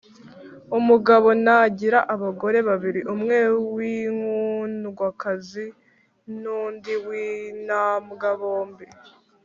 Umugabo nagira abagore babiri umwe w inkundwakazi n undi w intabwa bombi